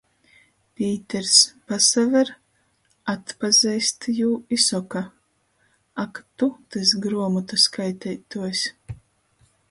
Pīters, pasaver, atpazeist jū i soka: Ak tu tys gruomotu skaiteituojs!